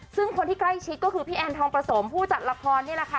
ซึ่งคนที่ใกล้ชิดก็คือพี่แอนทองประสมผู้จัดละครนี่แหละค่ะ